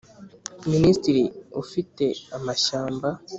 Minisitiri ufite amashyamba